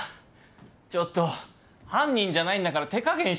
ちょっと犯人じゃないんだから手加減してよ。